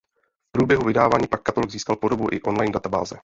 V průběhu vydávání pak katalog získal podobu i online databáze.